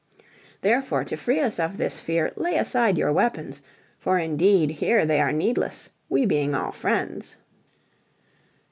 Therefore to free us of this fear lay aside your weapons, for indeed here they are needless, we being all friends."